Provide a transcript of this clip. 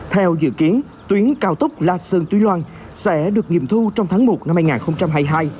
theo dự kiến tuyến cao tốc la sơn túy loan sẽ được nghiệm thu trong tháng một năm hai nghìn hai mươi hai